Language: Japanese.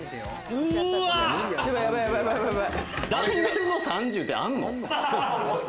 ダンベルの３０ってあんの？